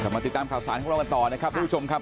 มาติดตามข่าวสารของเรากันต่อนะครับทุกผู้ชมครับ